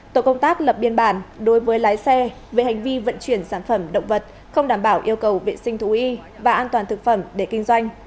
tổ công tác lập biên bản đối với lái xe về hành vi vận chuyển sản phẩm động vật không đảm bảo yêu cầu vệ sinh thú y và an toàn thực phẩm để kinh doanh